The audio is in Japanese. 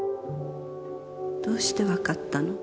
どうしてわかったの？